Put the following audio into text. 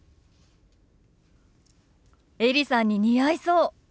エリさんに似合いそう。